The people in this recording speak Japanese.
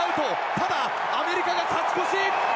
ただ、アメリカが勝ち越し。